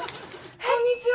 こんにちは！